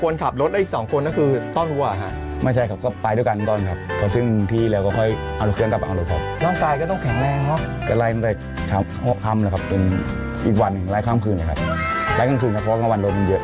นั่นหมายความว่าอีก๒คนขับรถแล้วอีก๒คนนั่นคือต้องทัวร์